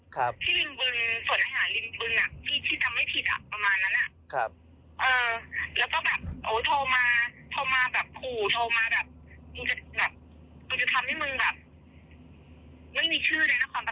ความประถมเลย